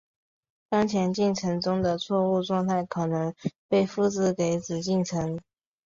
当前进程中的错误状态可能被复制给子进程。